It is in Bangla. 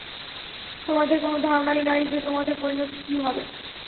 তোমাদের কোন ধারণাই নাই যে তোমাদের পরিণতি কী হবে।